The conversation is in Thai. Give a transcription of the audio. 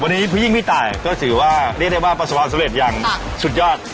วันนี้ผู้ยิ่งพี่ตายก็ถือว่าเรียกได้ว่าประสบความสำเร็จอย่างสุดยอด